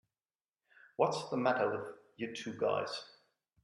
What's the matter with you two guys?